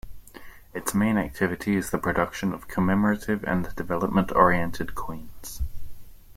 Its main activity is the production of commemorative and development-oriented coins.